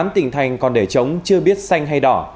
tám tỉnh thành còn để chống chưa biết xanh hay đỏ